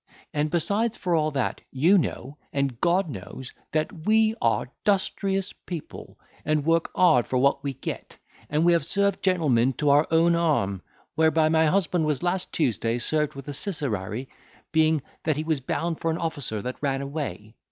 And besides, for all that, you know, and God knows, as we are dustrious people, and work hard for what we get, and we have served gentlemen to our own harm, whereby my husband was last Tuesday served with a siserary, being that he was bound for an officer that ran away.